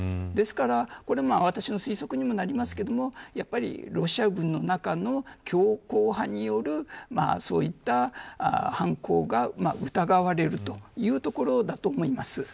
ですから、これは私の推測にもなりますけれどもやはりロシア軍の中の強硬派による、そういった犯行が疑われるというところだと思います。